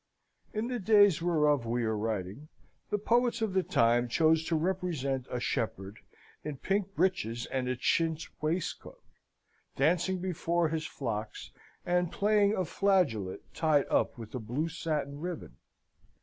In the days whereof we are writing, the poets of the time chose to represent a shepherd in pink breeches and a chintz waistcoat, dancing before his flocks, and playing a flageolet tied up with a blue satin ribbon.